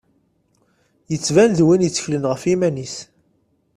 Yettban d win i tteklen ɣef yiman-is.